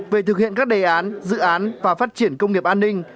về thực hiện các đề án dự án và phát triển công nghiệp an ninh